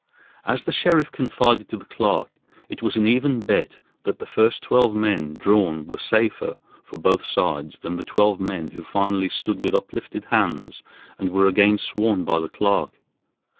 As the sheriff confided to the clerk, it was an even bet that the first twelve men drawn were safer for both sides than the twelve men who finally stood with uplifted hands and were again sworn by the clerk.